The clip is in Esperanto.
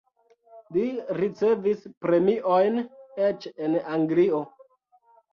Li ricevis premiojn, eĉ en Anglio.